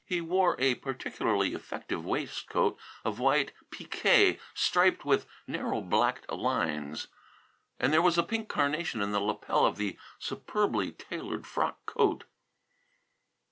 He wore a particularly effective waistcoat of white piqué striped with narrow black lines, and there was a pink carnation in the lapel of the superbly tailored frock coat.